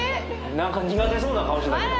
何か苦手そうな顔してたけど。